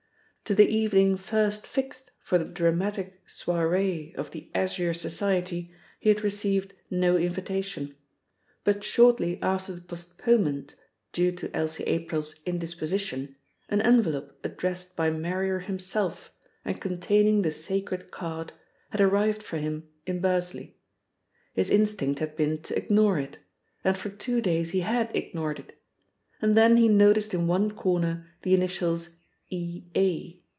To the evening first fixed for the dramatic soirée of the Azure Society he had received no invitation. But shortly after the postponement due to Elsie April's indisposition an envelope addressed by Marrier himself, and containing the sacred card, had arrived for him in Bursley. His instinct had been to ignore it, and for two days he had ignored it, and then he noticed in one corner the initials "E.A."